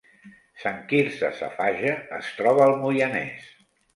Sant Quirze Safaja es troba al Moianès